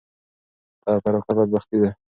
تفرقه بدبختي ده.